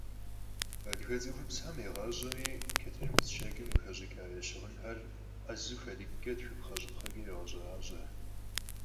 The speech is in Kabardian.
Адыгэ цӀыхубзхэм игъащӀэми чэтэнудз щэкӀым къыхэщӀыкӀа я щыгъынхэр Ӏэзэу хэдыкӀкӀэ, тхыпхъэ-щӀыпхъэкӀэ ягъэщӀэращӀэ.